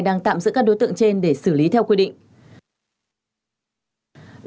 đang tạm giữ các đối tượng trên để xử lý theo quy định